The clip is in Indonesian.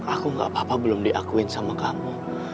aku gak apa apa belum diakuin sama kamu